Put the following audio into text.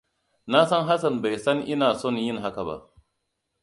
Na san Hassan bai san ina son yin haka ba.